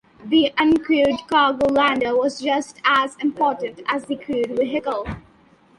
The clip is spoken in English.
The uncrewed cargo lander was just as important as the crewed vehicle.